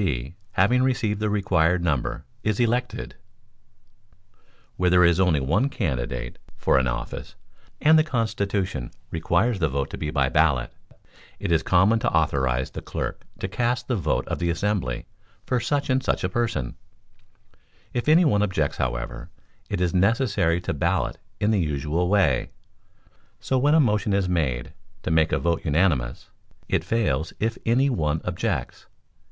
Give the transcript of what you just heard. B. having received the required number is elected —." Where there is only one candidate for an office, and the constitution requires the vote to be by ballot, it is common to authorize the clerk to cast the vote of the assembly for such and such a person; if any one objects however, it is necessary to ballot in the usual way. So when a motion is made to make a vote unanimous, it fails if any one objects.